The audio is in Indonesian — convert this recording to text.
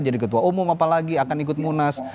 jadi ketua umum apalagi akan ikut munas